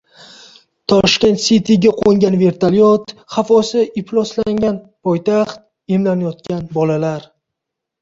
Tashkent City’ga qo‘ngan vertolyot, havosi ifloslangan poytaxt, emlanayotgan bolalar